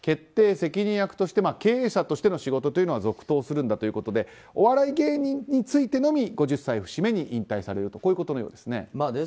・責任役として経営者としての仕事は続投するということでお笑い芸人についてのみ５０歳を節目に引退されるとこういうことのようです。